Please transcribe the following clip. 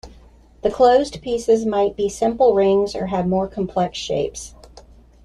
The closed pieces might be simple rings or have more complex shapes.